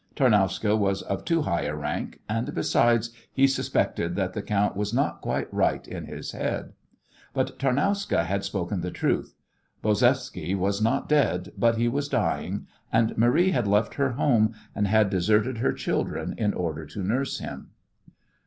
Tarnowska was of too high a rank, and, besides, he suspected that the count was not quite right in his head. But Tarnowska had spoken the truth. Bozevsky was not dead, but he was dying, and Marie had left her home and had deserted her children in order to nurse him.